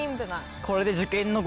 これで。